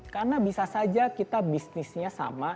karena bisa saja kita bisnisnya sama